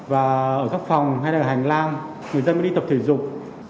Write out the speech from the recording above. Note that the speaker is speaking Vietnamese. và ở các phòng hay là hành lang người dân mới đi tập thể dục